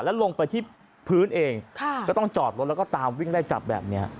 แล้วลงไปที่พื้นเองก็ต้องจอดรถแล้วก็ตามวิ่งไล่จับแบบนี้